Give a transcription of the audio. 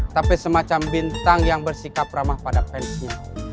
tapi semacam bintang yang bersikap ramah pada penisnya